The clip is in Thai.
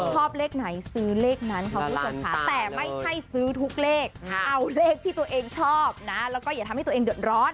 ชอบเลขไหนซื้อเลขนั้นค่ะคุณผู้ชมค่ะแต่ไม่ใช่ซื้อทุกเลขเอาเลขที่ตัวเองชอบนะแล้วก็อย่าทำให้ตัวเองเดือดร้อน